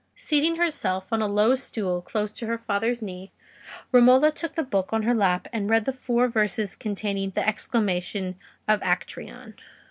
Seating herself on a low stool, close to her father's knee, Romola took the book on her lap and read the four verses containing the exclamation of Actreon.